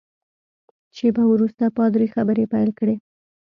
شېبه وروسته پادري خبرې پیل کړې.